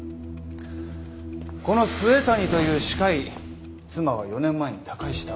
この末谷という歯科医妻は４年前に他界した。